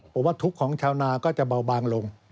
ผมว่าทุกข์ของชาวนาก็จะเบาบางลง